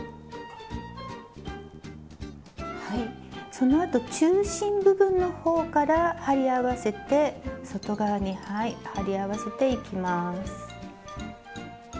そのあと中心部分の方から貼り合わせて外側に貼り合わせていきます。